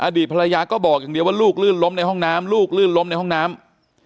ภรรยาก็บอกอย่างเดียวว่าลูกลื่นล้มในห้องน้ำลูกลื่นล้มในห้องน้ำ